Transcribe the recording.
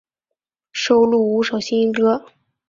收录五首新歌。